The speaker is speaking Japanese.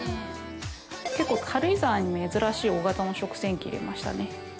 「結構軽井沢に珍しい大型の食洗機入れましたね」